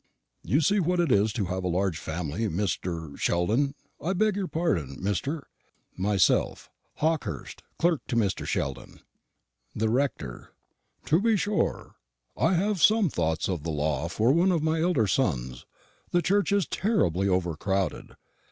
_] You see what it is to have a large family, Mr. Sheldon. I beg pardon, Mr. Myself. Hawkehurst, clerk to Mr. Sheldon. The Rector. To be sure. I have some thoughts of the Law for one of my elder sons; the Church is terribly overcrowded.